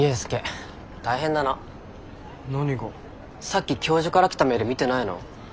さっき教授から来たメール見てないの？